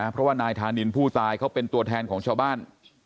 เพราะว่านายธานินผู้ตายเขาเป็นตัวแทนของชาวบ้าน